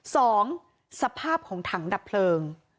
สภาพของถังดับเพลิง